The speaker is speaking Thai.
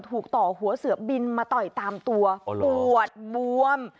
ถูกต่อหัวเสือบินมาต่อยตามตัวปวดบวม